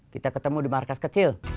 kita ketemu di markas kecil